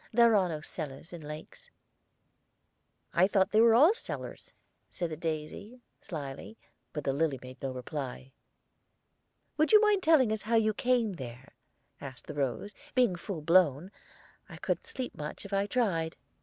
"There are no cellars in lakes." "I thought they were all cellar," said the daisy, slyly; but the lily made no reply. "Would you mind telling us how you came there?" asked the rose. "Being full blown, I couldn't sleep much, if I tried."